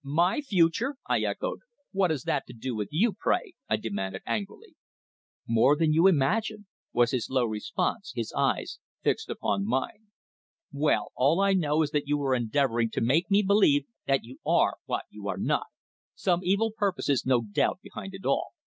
"My future!" I echoed. "What has that to do with you, pray?" I demanded angrily. "More than you imagine," was his low response, his eyes fixed upon mine. "Well, all I know is that you are endeavouring to make me believe that you are what you are not. Some evil purpose is, no doubt, behind it all.